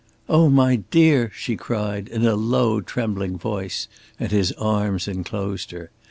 "Oh, my dear," she cried, in a low, trembling voice, and his arms enclosed her.